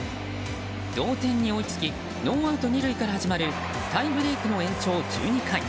同点に追いつきノーアウト２塁から始まるタイブレークの延長１２回。